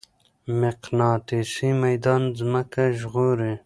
مقناطيسي ميدان ځمکه ژغوري.